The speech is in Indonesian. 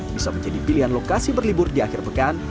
bisa menjadi pilihan lokasi berlibur di akhir pekan